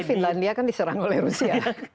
finlandia kan diserang oleh rusia